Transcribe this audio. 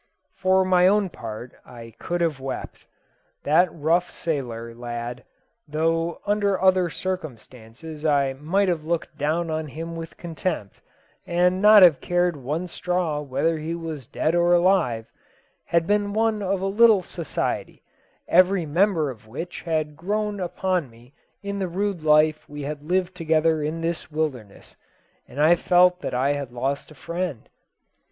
For my own part I could have wept. That rough sailor lad, though under other circumstances I might have looked down on him with contempt, and not have cared one straw whether he was dead or alive, had been one of a little society, every member of which had grown upon me in the rude life we had lived together in this wilderness, and I felt that I had lost a friend.